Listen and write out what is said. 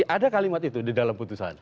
ada kalimat itu di dalam putusan